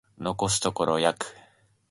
残すところ約